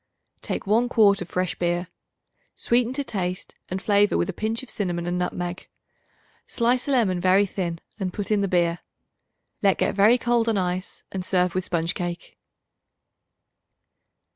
Take one quart of fresh beer. Sweeten to taste and flavor with a pinch of cinnamon and nutmeg. Slice a lemon very thin and put in the beer. Let get very cold on ice and serve with sponge cake.